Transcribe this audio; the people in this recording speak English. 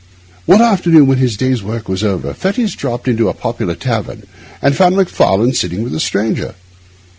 One afternoon, when his day's work was over, Fettes dropped into a popular tavern and found Macfarlane sitting with a stranger.